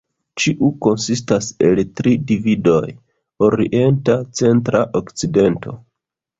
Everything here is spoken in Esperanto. Ĉiu konsistas el tri dividoj: Orienta, Centra, Okcidenta.